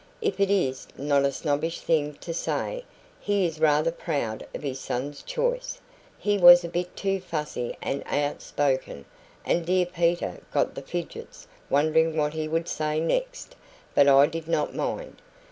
If it is not a snobbish thing to say, he is rather proud of his son's choice. He was a bit too fussy and outspoken, and dear Peter got the fidgets wondering what he would say next; but I did not mind.